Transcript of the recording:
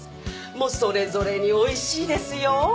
もうそれぞれにおいしいですよ！